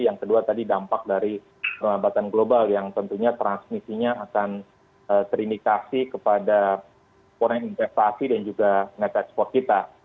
yang kedua tadi dampak dari perlambatan global yang tentunya transmisinya akan terindikasi kepada orang investasi dan juga net export kita